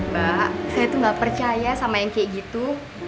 mbak saya tuh gak percaya sama yang kayak gitu